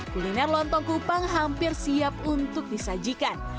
kuliner lontong kupang hampir siap untuk disajikan